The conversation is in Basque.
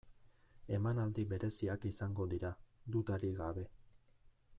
Emanaldi bereziak izango dira, dudarik gabe.